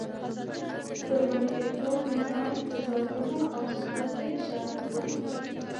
د مرئیتوب نظام تضادونه او سقوط ته اشاره کوو.